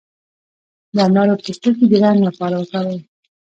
د انارو پوستکي د رنګ لپاره کاروي.